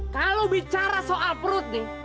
kalau bicara soal perut nih